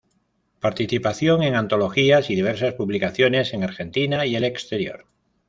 Participación en antologías y diversas publicaciones en Argentina y el exterior.